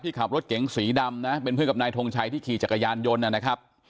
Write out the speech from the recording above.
ขับรถเก๋งสีดำนะเป็นเพื่อนกับนายทงชัยที่ขี่จักรยานยนต์นะครับ